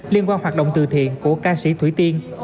liên quan hoạt động từ thiện của ca sĩ thủy tiên